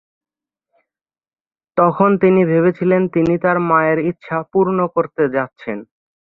তখন তিনি ভেবেছিলেন তিনি তাঁর মায়ের ইচ্ছা পূর্ণ করতে যাচ্ছেন।